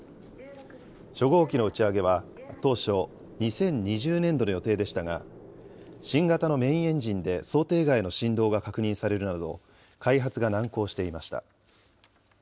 初号機の打ち上げは、当初、２０２０年度の予定でしたが、新型のメインエンジンで想定外の振動が確認されるなど、開発が難航していました。